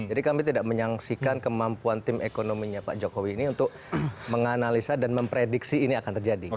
jadi kami tidak menyaksikan kemampuan tim ekonominya pak jokowi ini untuk menganalisa dan memprediksi ini akan terjadi